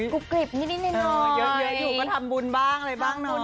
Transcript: กูกลิบนิดหน่อยเยอะอยู่ก็ทำบุญบ้างเลยบ้างน้อง